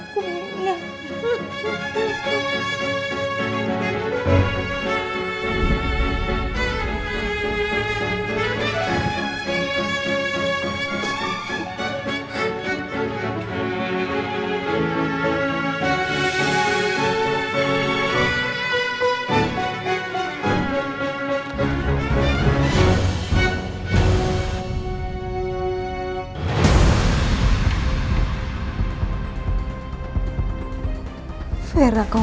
aku senyum bareng allahiskt season dua